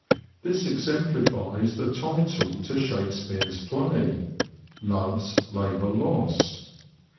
This exemplifies the title to Shakespeare's play, '' Love's Labour Lost."